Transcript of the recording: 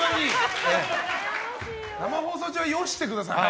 生放送中はよしてくださいよ。